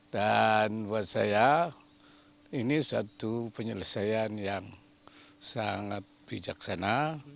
dan buat saya ini satu penyelesaian yang sangat bijaksana